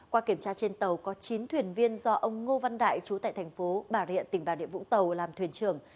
qua kiểm tra trên tàu có chín thuyền viên do ông ngô văn đại chú tại thành phố bà rịa tỉnh bà địa vũng tàu làm thuyền trưởng